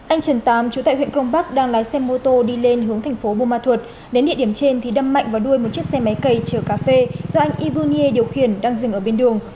anh trần tám chủ tại huyện grong bắc đang lái xe mô tô đi lên hướng thành phố bu ma thuật đến địa điểm trên thì đâm mạnh vào đuôi một chiếc xe máy cẩy chở cà phê do anh yvounier điều khiển đang dừng ở bên đường